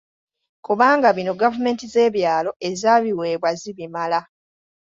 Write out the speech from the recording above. Kubanga bino gavumenti z'ebyalo ezabiweebwa zibimala.